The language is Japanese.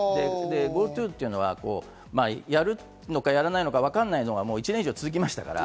ＧｏＴｏっていうのはやるのかやらないのか、わかんないのが１年以上続きましたから。